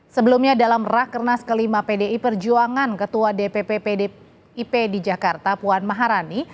sebelumnya dalam rakernas kelima pdi perjuangan ketua dpp pdip di jakarta puan maharani